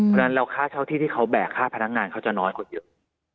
เพราะฉะนั้นแล้วค่าเช่าที่ที่เขาแบกค่าพนักงานเขาจะน้อยกว่าเยอะ